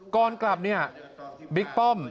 ก่อนกลับเนี่ยบิ๊กป้อม